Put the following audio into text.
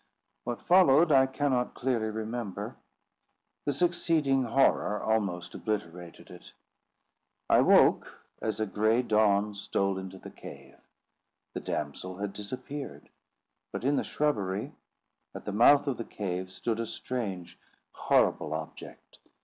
What followed I cannot clearly remember. The succeeding horror almost obliterated it. I woke as a grey dawn stole into the cave. The damsel had disappeared; but in the shrubbery, at the mouth of the cave, stood a strange horrible object.